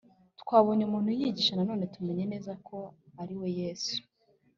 Twabonye umuntu yigisha, none tumenye neza ko ari we Yesu